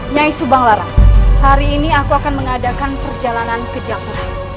nyai subangarang hari ini aku akan mengadakan perjalanan ke jakarta